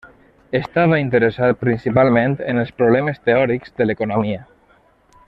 Estava interessat principalment en els problemes teòrics de l'economia.